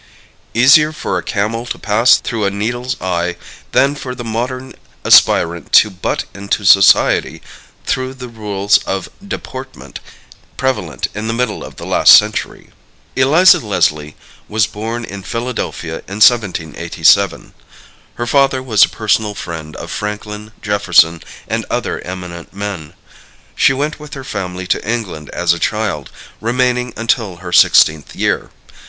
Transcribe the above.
Easier for a Camel to Pass Through a Needle's Eye Than for the Modern Aspirant to Butt into Society Through the Rules of Deportment Prevalent in the Middle of the Last Century. Eliza Leslie was born in Philadelphia in 1787. Her father was a personal friend of Franklin, Jefferson, and other eminent men. She went with her family to England as a child, remaining until her sixteenth year.